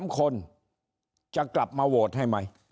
๓คนจะกลับมาโหวตให้ไหม